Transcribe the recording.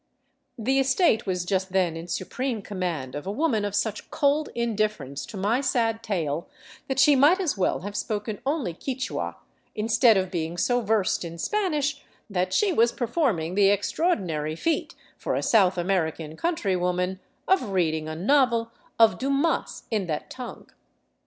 The estate was just then in supreme command of a woman of such cold indifference to my sad tale that she might as well have spoken only Quichua, instead of being so versed in Spanish that she was performing the extraordinary feat, for a South American country woman, of reading a novel of Dumas in that tongue.